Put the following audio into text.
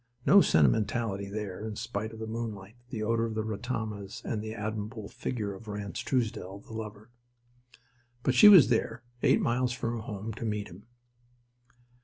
No sentimentality there, in spite of the moonlight, the odour of the ratamas, and the admirable figure of Ranse Truesdell, the lover. But she was there, eight miles from her home, to meet him.